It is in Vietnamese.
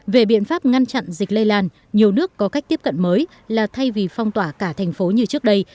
về biện pháp ngăn chặn dịch lây lan nhiều nước có cách tiếp cận mới là thay vì phong tỏa cả thành phố như trước đây